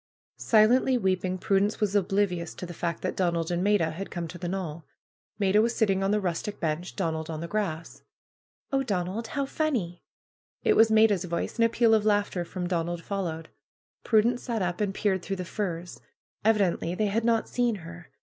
Silently weeping Prudence was oblivious to the fact PRUE'S GARDENER 201 that Donald and Maida had come to the knoll. Maida was sitting on the rustic bench; Donald on the grass. ^^Oh, Donald, how funny!'' It was Maida's voice, and a peal of laughter from Donald followed. Prudence sat up and peered through the firs. Evi dently they had not seen her.